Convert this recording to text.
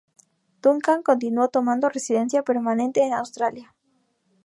Duncan continuó tomando residencia permanente en Australia.